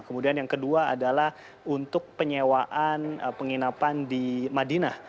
kemudian yang kedua adalah untuk penyewaan penginapan di madinah